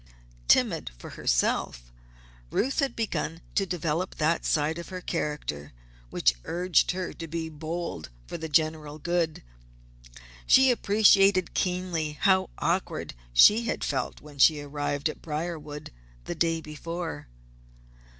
Timid for herself, Ruth had begun to develop that side of her character which urged her to be bold for the general good. She appreciated keenly how awkward she had felt when she arrived at Briarwood the day before.